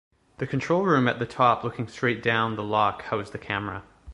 The control room at the top looking straight down the loch housed a camera.